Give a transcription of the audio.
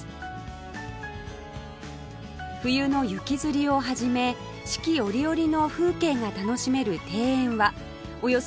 冬の雪吊りをはじめ四季折々の風景が楽しめる庭園はおよそ３５０年前５代目